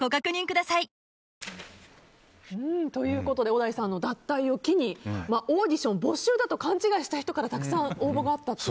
小田井さんの脱退を機にオーディション、募集だと勘違いした人からたくさん応募があったと。